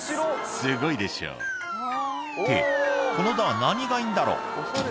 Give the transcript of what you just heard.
「すごいでしょ」ってこのドア何がいいんだろう？